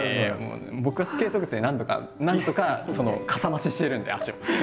僕はスケート靴でなんとかなんとかかさ増ししてるんで足を。